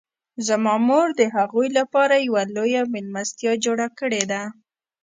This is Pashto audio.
زما مور د هغوی لپاره یوه لویه میلمستیا جوړه کړې ده